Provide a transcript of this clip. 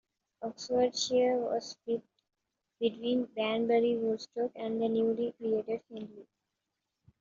Oxfordshire was split between Banbury, Woodstock and the newly created Henley.